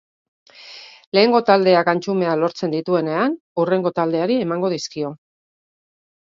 Lehengo taldeak antxumeak lortzen dituenean hurrengo taldeari emango dizkio.